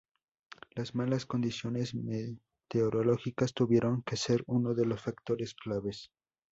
Las malas condiciones meteorológicas tuvieron que ser uno de los factores claves.